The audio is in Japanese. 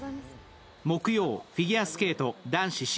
木曜、フィギュアスケート男子